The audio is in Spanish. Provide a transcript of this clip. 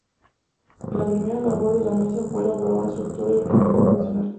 La primera labor de la mesa fue elaborar una estructura y organización funcional.